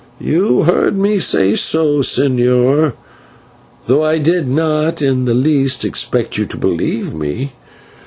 "You heard me say so, señor, though I did not in the least expect you to believe me.